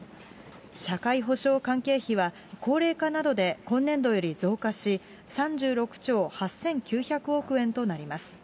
社会保障関係費は、高齢化などで今年度より増加し、３６兆８９００億円となります。